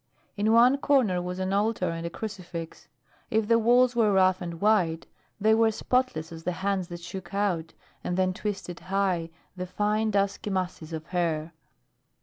In one corner was an altar and a crucifix. If the walls were rough and white, they were spotless as the hands that shook out and then twisted high the fine dusky masses of hair.